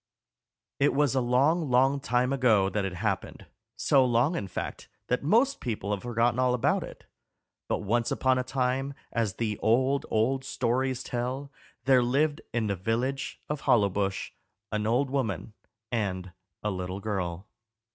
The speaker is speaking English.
It was a long, long time ago that it happened so long, in fact, that most people have forgotten all about it but once upon a time, as the old, old stories tell, there lived in the village of Hollowbush an old woman and a little girl.